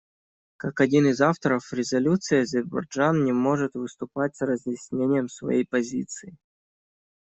Как один из авторов резолюции Азербайджан не может выступать с разъяснением своей позиции.